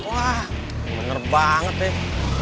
wah bener banget deh